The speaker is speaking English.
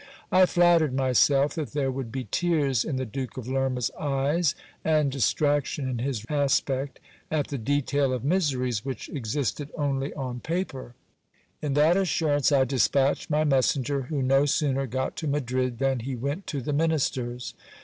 I flattered myself that there would be tears in the Duke of Lerma's eyes, and detraction in his aspect, at the detail of miseries which existed only on paper. 328 GIL BLAS. In that assurance, I despatched my messenger, who no sooner got to Madrid, than he went to the minister's.